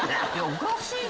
おかしい！